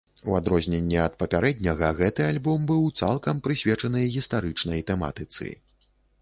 У адрозненне ад папярэдняга гэты альбом быў цалкам прысвечаны гістарычнай тэматыцы.